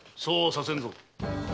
そうはさせぬぞ。